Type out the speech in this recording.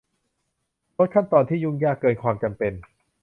ลดขั้นตอนที่ยุ่งยากเกินความจำเป็น